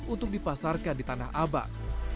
untuk dipasarkan di tanah abang